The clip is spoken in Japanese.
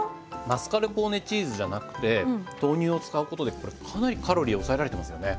マスカルポーネチーズじゃなくて豆乳を使うことでこれかなりカロリー抑えられてますよね。